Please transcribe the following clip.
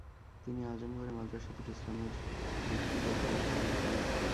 তিনি আজমগড়ে মাদ্রাসাতুল ইসলাহের ভিত্তি প্রস্তর স্থাপন করেন।